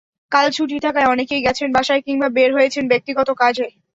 কাল ছুটি থাকায় অনেকেই গেছেন বাসায়, কিংবা বের হয়েছেন ব্যক্তিগত কাজে।